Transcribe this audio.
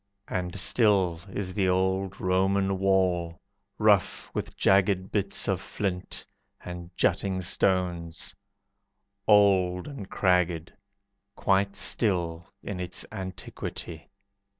And still is the old Roman wall, Rough with jagged bits of flint, And jutting stones, Old and cragged, Quite still in its antiquity.